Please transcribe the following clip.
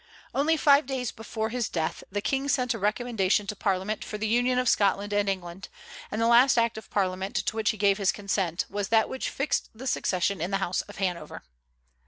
Only five days before his death the King sent a recommendation to Parliament for the union of Scotland and England, and the last act of Parliament to which he gave his consent was that which fixed the succession in the House of Hanover.